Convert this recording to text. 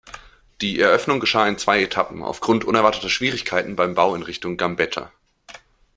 Die Eröffnung geschah in zwei Etappen, aufgrund unerwarteter Schwierigkeiten beim Bau in Richtung "Gambetta".